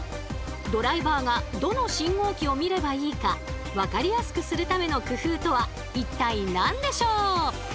ドライバーがどの信号機を見ればいいかわかりやすくするための工夫とは一体何でしょう？